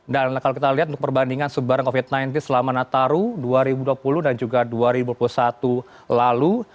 dan kalau kita lihat untuk perbandingan sebarang covid sembilan belas selama tataru dua ribu dua puluh dan juga dua ribu dua puluh satu lalu